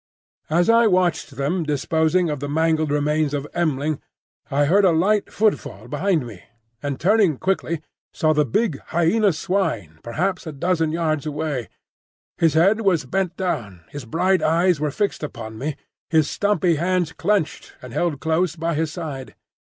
As I watched them disposing of the mangled remains of M'ling, I heard a light footfall behind me, and turning quickly saw the big Hyena swine perhaps a dozen yards away. His head was bent down, his bright eyes were fixed upon me, his stumpy hands clenched and held close by his side.